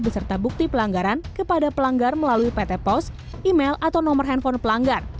beserta bukti pelanggaran kepada pelanggar melalui pt pos email atau nomor handphone pelanggar